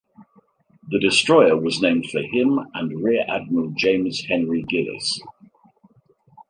The destroyer was named for him and Rear Admiral James Henry Gillis.